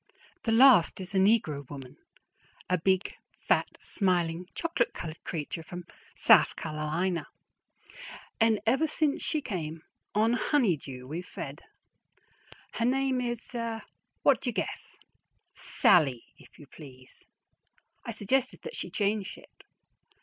The last is a negro woman, a big, fat, smiling, chocolate colored creature from Souf Ca'lina. And ever since she came on honey dew we've fed! Her name is what do you guess? SALLIE, if you please. I suggested that she change it.